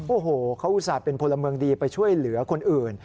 โอ้โหเขาอุตส่าห์เป็นพลเมืองดีไปช่วยเหลือคนอื่น